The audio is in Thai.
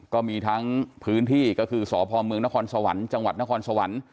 ก็มีทั้งพื้นที่ก็คือสพมนสจนส